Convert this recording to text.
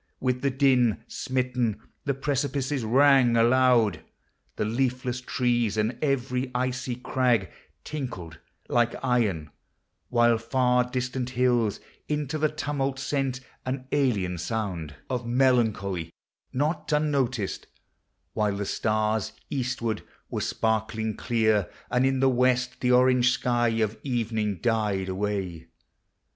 With the din Smitten, the precipices rang aloud; The leafless trees and every icy crag Tinkled like iron; while far distanl hills Into the tumult sent an alien sound 22 POEMS OF NATURE. Of melancholy, not unnoticed; while the stars, Eastward, were sparkling clear, and in the w r est The orange sky of evening died away.